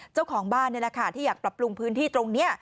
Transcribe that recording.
เจ้าของบ้านนี่แหละค่ะที่อยากปรับปรุงพื้นที่ตรงนี้